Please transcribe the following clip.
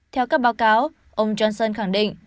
theo các báo cáo ông johnson khẳng định